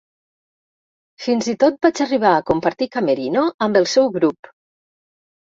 Fins i tot vaig arribar a compartir camerino amb el seu grup.